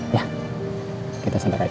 ya kita sabar aja